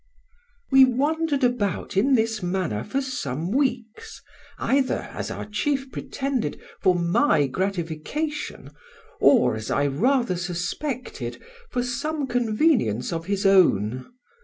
"WE wandered about in this manner for some weeks, either, as our chief pretended, for my gratification, or, as I rather suspected, for some convenience of his own.